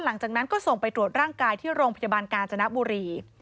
หลังจากนั้นก็ส่งไปตรวจร่างกายที่โรงพยาบาลกาญจนบุรี